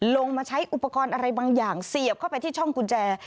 ลงมาใช้อุปกรณ์อะไรบางอย่างเสียบเข้าไปที่ช่องกุญแจ